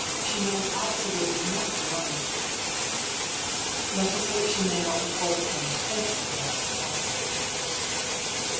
She knows absolutely nothing of it." " Let us hope she may not be called upon to face the world," I said.